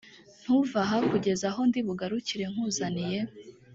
ntuve aha kugeza aho ndi bugarukire nkuzaniye